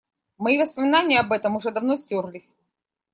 Мои воспоминания об этом уже давно стёрлись.